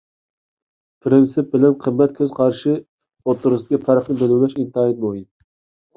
پىرىنسىپ بىلەن قىممەت كۆز قارىشى ئوتتۇرىسىدىكى پەرقنى بىلىۋېلىش ئىنتايىن مۇھىم.